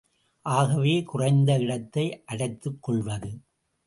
ஆகவே குறைந்த இடத்தை அடைத்துக் கொள்வது.